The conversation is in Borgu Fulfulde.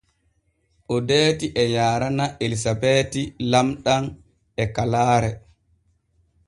Odeeti e yaarana Elisabeeti lamɗam e kalaare.